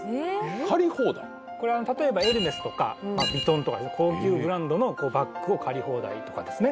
これ例えばエルメスとかヴィトンとか高級ブランドのバッグを借り放題とかですね